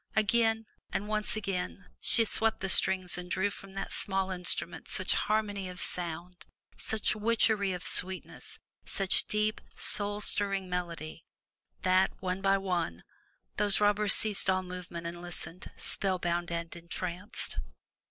Again and once again she swept the strings and drew from that small instrument such harmony of sound, such witchery of sweetness, such deep, soul stirring melody, that, one by one, those robbers ceased all move ment and listened, spell bound and entranced.